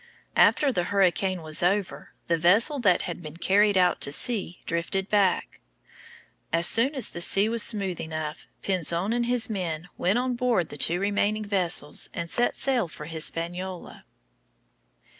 After the hurricane was over, the vessel that had been carried out to sea drifted back. As soon as the sea was smooth enough Pinzon and his men went on board the two remaining vessels and set sail for Hispaniola.